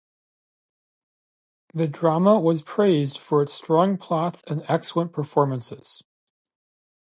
The drama was praised for its strong plots and excellent performances.